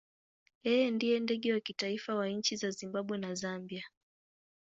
Yeye ndiye ndege wa kitaifa wa nchi za Zimbabwe na Zambia.